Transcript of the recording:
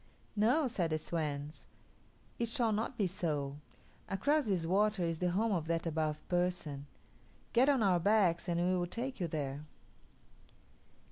"No," said the swans; "it shall not be so. Across this water is the home of that Above Person. Get on our backs, and we will take you there."